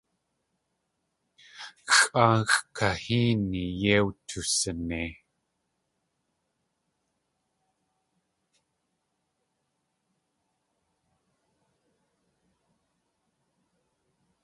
Xʼáaxʼ kahéeni yéi wtusinei.